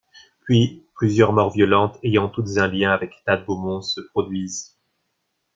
Puis, plusieurs morts violentes ayant toutes un lien avec Thad Beaumont se produisent.